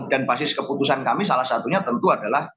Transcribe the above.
dan basis keputusan kami salah satunya tentu adalah